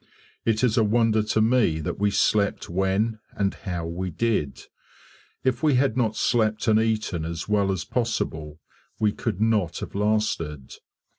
It is a wonder to me that we slept when, and how, we did. If we had not slept and eaten as well as possible we could not have lasted.